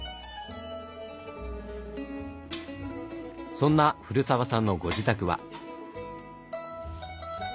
そんな古澤さんのご自宅は。